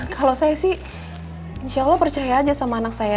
kalau saya sih insya allah percaya aja sama anak saya